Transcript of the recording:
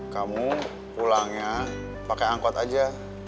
kamu pulangnya pakai angkot aja